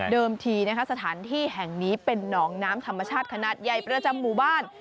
ทีสถานที่แห่งนี้เป็นหนองน้ำธรรมชาติขนาดใหญ่ประจำหมู่บ้าน